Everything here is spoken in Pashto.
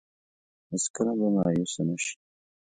هېڅ کله به مايوسه نه شي.